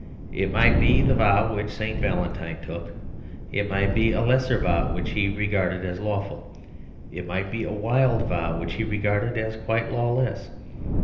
It might be the vow which St. Val entine took; it might be a lesser vow which he regarded as lawful ; it might be a wild vow which he regarded as quite lawless.